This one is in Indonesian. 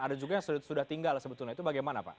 ada juga yang sudah tinggal sebetulnya itu bagaimana pak